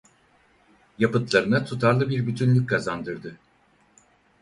Yapıtlarına tutarlı bir bütünlük kazandırdı.